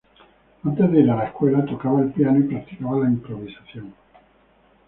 Antes de ir a la escuela tocaba el piano y practicaba la improvisación.